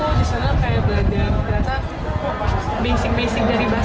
ternyata basic basic dari basket yang kita pelajari di indonesia itu ternyata dirubah lagi di sana